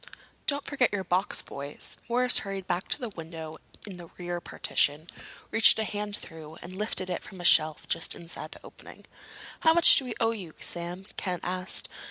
"Don't forget your box, boys." Morris hurried back to the window in the rear partition, reached a hand through, and lifted it from a shelf just inside the opening. "How much do we owe you, Sam?" Ken asked.